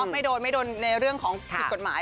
ไม่โดนไม่โดนในเรื่องของผิดกฎหมาย